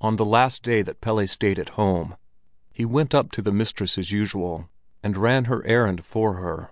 On the last day that Pelle stayed at home, he went up to the mistress as usual, and ran her errand for her.